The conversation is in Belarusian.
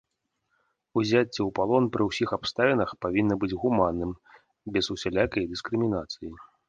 Узяцце ў палон пры ўсіх абставінах павінна быць гуманным, без усялякай дыскрымінацыі.